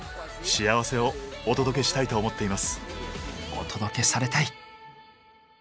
お届けされたい！